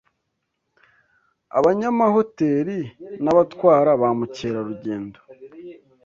abanyamahoteri n’abatwara ba mukerarugendo